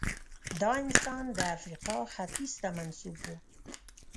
دا انسان د افریقا ختیځ ته منسوب و.